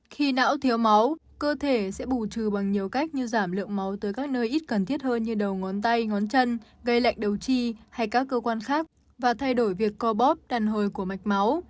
khi não thiếu máu cơ thể sẽ bù trừ bằng nhiều cách như giảm lượng máu tới các nơi ít cần thiết hơn như đầu ngón tay ngón chân gây lệnh đầu chi hay các cơ quan khác và thay đổi việc co bóp đàn hồi của mạch máu